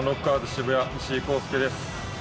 渋谷、石井講祐です。